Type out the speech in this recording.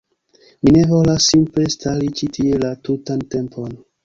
Mi ne volas simple stari ĉi tie la tutan tempon.